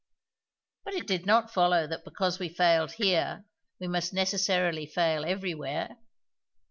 But it did not follow that because we failed here we must necessarily fail everywhere.